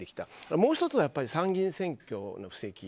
もう１つは、参議院選挙の布石。